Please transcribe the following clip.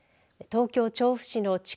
東京、調布市の築